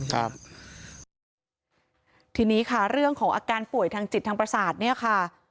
ทีนี้ค่ะเรื่องของอาการป่วยทางจิตทางประสาทเนี่ยค่ะ